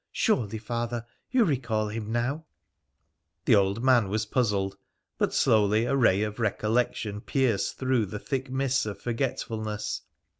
Surely, father, you recall him now ?' The old man was puzzled, but slowly a ray of recollection pierced through the thick mists of forge tfulness.